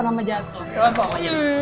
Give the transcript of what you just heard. aduh aduh sini sini